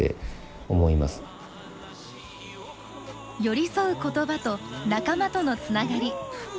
寄り添う言葉と仲間とのつながり。